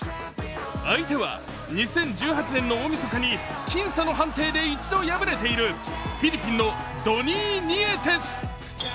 相手は２０１８年の大みそかに僅差の判定で一度敗れているフィリピンのドニー・ニエテス。